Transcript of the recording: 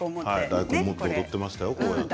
大根を持って踊っていましたよ。